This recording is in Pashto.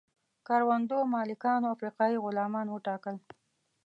کروندو مالکانو افریقایي غلامان وټاکل.